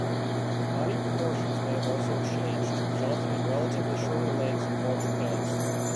Body proportions may also have changed, resulting in relatively shorter legs and larger heads.